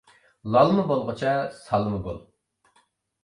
لالما بولغۇچە سالما بول.